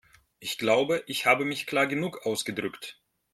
Ich glaube, ich habe mich klar genug ausgedrückt.